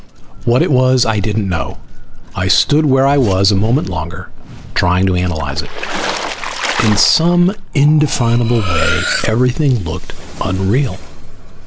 What it was, I didn't know. I stood where I was a moment longer, trying to analyze it. In some indefinable way everything looked unreal.